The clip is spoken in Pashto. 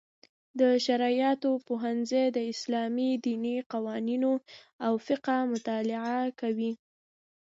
د شرعیاتو پوهنځی د اسلامي دیني قوانینو او فقه مطالعه کوي.